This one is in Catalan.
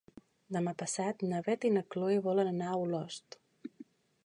Demà passat na Beth i na Chloé volen anar a Olost.